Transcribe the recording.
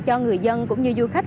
cho người dân cũng như du khách